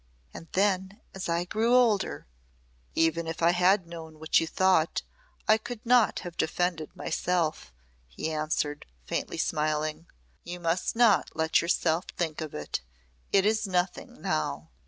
And then as I grew older " "Even if I had known what you thought I could not have defended myself," he answered, faintly smiling. "You must not let yourself think of it. It is nothing now."